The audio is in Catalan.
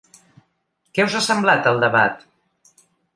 Què us ha semblat el debat?